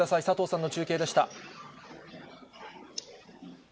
佐藤さんの中継でした。